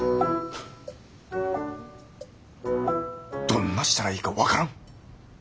どんなしたらいいか分からん。